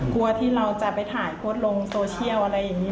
กลัวที่เราจะไปถ่ายโพสต์ลงโซเชียลอะไรอย่างนี้